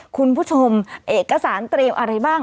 คุณผู้ชมเอกสารเตรียมอะไรบ้าง